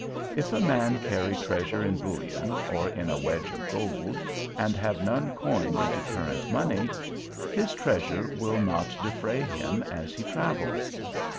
If a man carry treasure in bullion, or in a wedge of gold, and have none coined into current money, his treasure will not defray him as he travels.